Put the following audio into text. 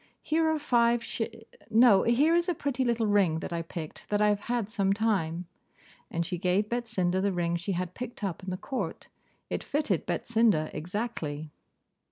Here are five sh no, here is a pretty little ring, that I picked that I have had some time.' And she gave Betsinda the ring she had picked up in the court. It fitted Betsinda exactly.